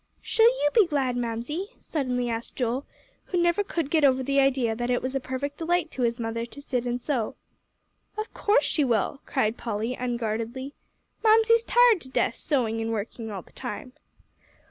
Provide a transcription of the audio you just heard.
"Shall you be glad, Mamsie?" suddenly asked Joel, who never could get over the idea that it was a perfect delight to his mother to sit and sew. "Of course she will," cried Polly, unguardedly. "Mamsie's tired to death sewing and working all the time."